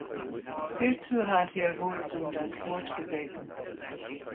Hierzu hat Herr Wurtz um das Wort gebeten.